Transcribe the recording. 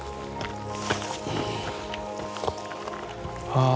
ああ。